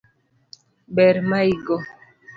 Ber maigo